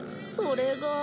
それが。